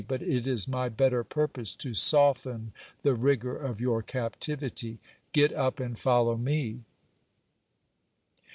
315 but it is my better purpose to soften the rigour of your captivity. Get up and follow me.